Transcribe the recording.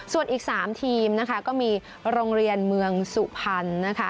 ส่วนอีกสามทีมก็มีโรงเรียนเมืองสุพรรณ